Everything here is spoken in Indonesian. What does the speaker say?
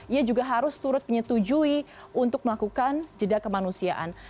ia juga harus turut menyetujui untuk melakukan jeda kemanusiaan